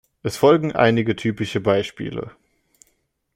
Es folgen einige typische Beispiele.